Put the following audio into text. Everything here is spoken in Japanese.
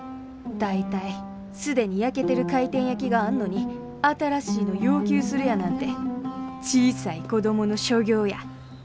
大体既に焼けてる回転焼きがあんのに新しいの要求するやなんて小さい子供の所業や。